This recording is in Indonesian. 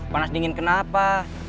panas dingin kenapa